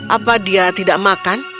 apa dia tidak makan